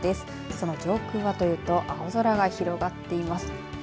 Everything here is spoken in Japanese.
その上空はというと青空が広がっています。